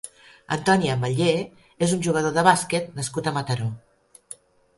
Antoni Ametller és un jugador de bàsquet nascut a Mataró.